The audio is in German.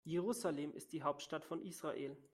Jerusalem ist die Hauptstadt von Israel.